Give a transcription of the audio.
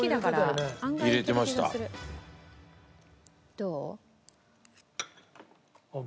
どう？